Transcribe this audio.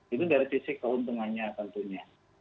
itu dari sisi keuntungannya tentunya